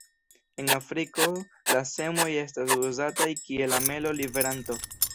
En Afriko la semoj estas uzataj kiel amelo-liveranto.